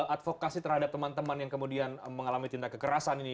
advokasi terhadap teman teman yang kemudian mengalami tindak kekerasan ini